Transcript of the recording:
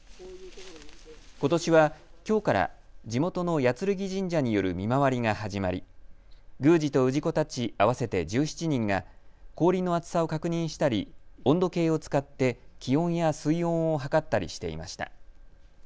ことしは、きょうから地元の八劔神社による見回りが始まり宮司と氏子たち合わせて１７人が氷の厚さを確認したり温度計を使って気温や水温を測ったりしていました。